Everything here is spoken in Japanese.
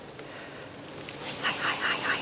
はいはいはいはい。